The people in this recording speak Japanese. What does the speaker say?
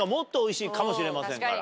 しれませんから。